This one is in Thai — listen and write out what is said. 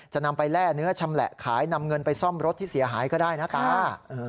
จะนำไปแร่เนื้อชำแหละขายนำเงินไปซ่อมรถที่เสียหายก็ได้นะตา